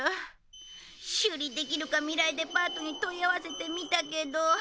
修理できるか未来デパートに問い合わせてみたけど。